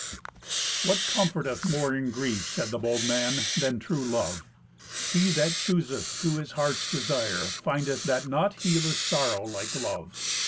"What comforteth more in grief," said the bold man, "than true love? He that chooseth to his heart's desire findeth that naught healeth sorrow like love.